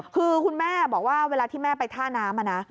คือคุณแม่บอกว่าเวลาที่แม่ไปท่าน้ำ